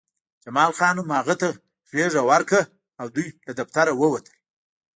جمال خان هم هغه ته غېږه ورکړه او دوی له دفتر ووتل